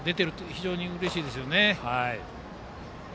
非常にうれしいですよね。